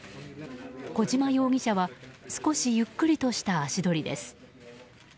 小島容疑者は少しゆっくりとした足取りです。